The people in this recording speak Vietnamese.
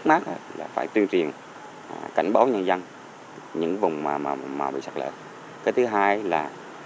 cái thứ hai là